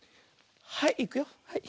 はいいくよ。